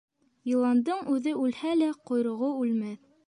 Йыландың үҙе үлһә лә, ҡойроғо үлмәҫ.